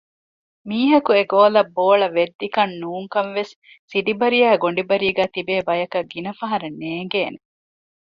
މީހަކު އެ ގޯލަށް ބޯޅަ ވެއްދިކަން ނޫންކަން ވެސް ސިޑިބަރިއާއި ގޮނޑިބަރީގައި ތިބޭ ބަޔަކަށް ގިނަފަހަރަށް ނޭނގޭނެ